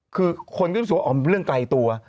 คือคนก็รู้สึกว่าอ๋อเรื่องไกลตัว